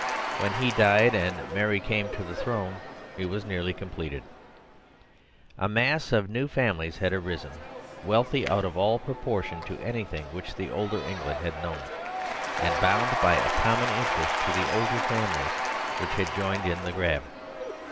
When he died and Mary came to the throne it was nearly completed. A mass of new families had arisen, wealthy out of all proportion to anything which the older England had known, and bound by a common 65 5 THE SERVILE STATE interest to the older families which had joined in the grab.